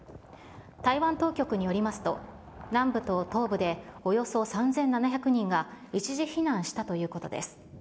台湾当局によりますと、南部と東部でおよそ３７００人が一時避難したということです。